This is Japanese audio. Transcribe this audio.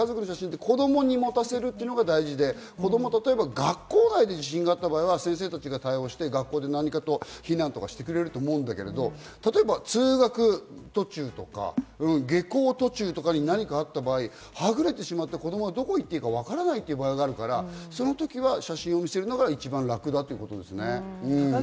子供に持たせるのが大事で、子供、例えば学校内で地震があった場合は先生たちが対応して学校で避難とかしてくれると思うけど、通学途中とか下校途中とかに何かあった場合、はぐれてしまって子供がどこに行っていいかわからない場合があるから、その時は写真を見せるのが一番楽だということですね。